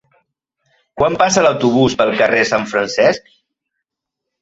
Quan passa l'autobús pel carrer Sant Francesc?